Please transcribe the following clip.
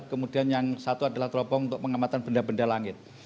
kemudian yang satu adalah teropong untuk pengamatan benda benda langit